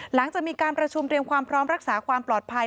หลังจากมีการประชุมเตรียมความพร้อมรักษาความปลอดภัย